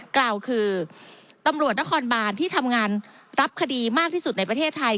กล่าวคือตำรวจนครบานที่ทำงานรับคดีมากที่สุดในประเทศไทย